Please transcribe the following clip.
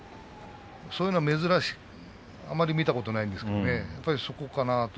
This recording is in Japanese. そういうのはあまり見たことないですがそこかなと。